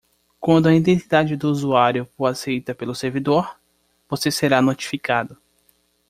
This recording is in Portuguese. Quando a identidade do usuário for aceita pelo servidor?, você será notificado.